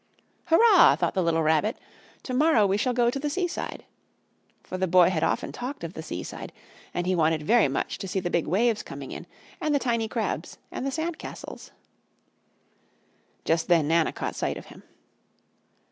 "Hurrah!" thought the little Rabbit. "To morrow we shall go to the seaside!" For the boy had often talked of the seaside, and he wanted very much to see the big waves coming in, and the tiny crabs, and the sand castles. Just then Nana caught sight of him.